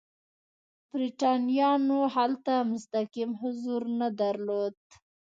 برېټانویانو هلته مستقیم حضور نه درلود.